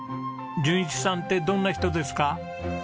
淳一さんってどんな人ですか？